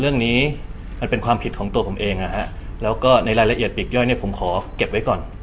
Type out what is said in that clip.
เรื่องนี้มันเป็นความผิดของตัวผมเองนะฮะแล้วก็ในรายละเอียดปีกย่อยเนี่ยผมขอเก็บไว้ก่อน